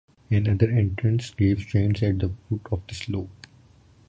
Another entrance grave stands at the foot of the slope.